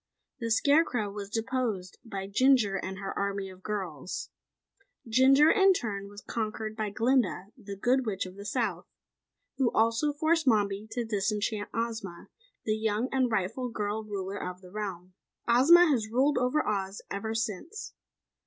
The Scarecrow was deposed by Jinjur and her Army of Girls. Jinjur, in turn was conquered by Glinda, the Good Witch of the South, who also forced Mombi to disenchant Ozma, the young and rightful girl ruler of the realm. Ozma has ruled over Oz ever since.